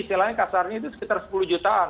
istilahnya kasarnya itu sekitar sepuluh jutaan